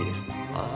ああ。